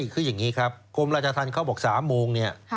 ใช่คืออย่างงี้ครับกรมราชธรรมเขาบอกสามโมงเนี่ยค่ะ